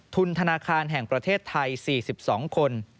ธนาคารแห่งประเทศไทย๔๒คน